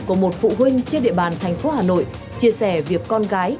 của một phụ huynh trên địa bàn thành phố hà nội chia sẻ việc con gái